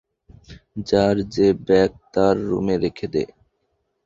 যার যে ব্যাগ তার রুমে রেখে দে।